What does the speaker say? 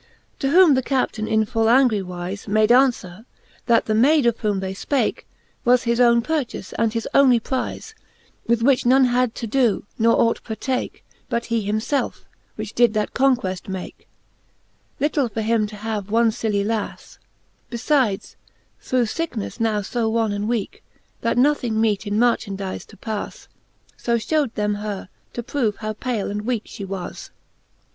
To whom the Captaine in full angry wize Made anfwere, that the Mayd, of whom they (pake, Was his owne purchafe, and his onely prize, With which none had to doe, ne ought partake, But he himfelfe, which did that conqueft make : Litle for him to have one filly laffe ; Beiides through fickneffe now fo wan and weake, That nothing meet in marchandife to pafle. So fhew'd them her, to prove how pale and weake jfhe was* XIII.